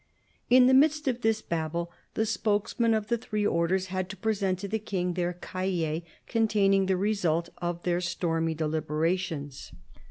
In the midst of this babel, the spokesmen of the three Orders had to present to the King their cahiers, containing the result of their stormy deliberations.